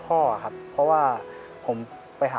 พ่อครับเพราะว่าผมไปหา